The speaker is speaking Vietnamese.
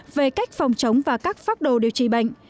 về cách phòng chống và các phác đồ điều trị bệnh